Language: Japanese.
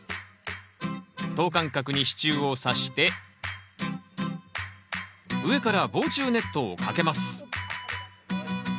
等間隔に支柱をさして上から防虫ネットをかけます。